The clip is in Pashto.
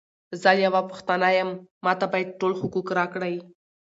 زۀ یوه پښتانه یم، ماته باید ټول حقوق راکړی!